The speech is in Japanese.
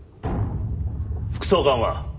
副総監は？